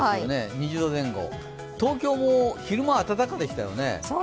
２０度前後、東京も昼間は暖かでしたよね。